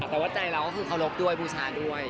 แต่ว่าใจเราก็คือเคารพด้วยบูชาด้วย